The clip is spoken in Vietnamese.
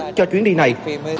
cho chuyến đi này